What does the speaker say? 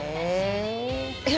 え。